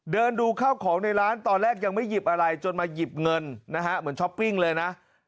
เดินดูข้าวของในร้านตอนแรกยังไม่หยิบอะไรจนมาหยิบเงินนะฮะเหมือนช้อปปิ้งเลยนะ